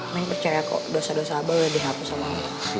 main percaya kok dosa dosa abah udah dihapus sama allah